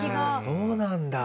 そうなんだ。